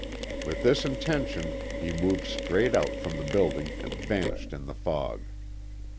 With this intention he moved straight out from the building and vanished in the fog.